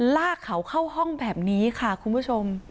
ลากเขาเข้าห้องแบบนี้ค่ะคุณผู้ชม